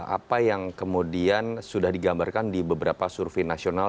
apa yang kemudian sudah digambarkan di beberapa survei nasional